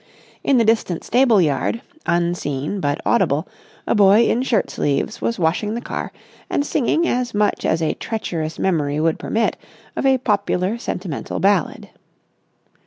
In the distant stable yard, unseen but audible, a boy in shirt sleeves was washing the car and singing as much as a treacherous memory would permit of a popular sentimental ballad.